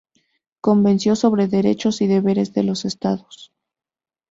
Convención sobre derechos y deberes de los Estados.